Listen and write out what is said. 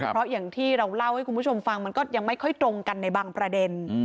เพราะอย่างที่เราเล่าให้คุณผู้ชมฟังมันก็ยังไม่ค่อยตรงกันในบางประเด็น